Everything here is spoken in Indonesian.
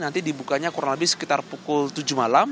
nanti dibukanya kurang lebih sekitar pukul tujuh malam